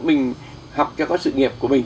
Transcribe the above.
mình học cho có sự nghiệp của mình